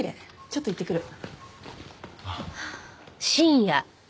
ちょっと行ってくる。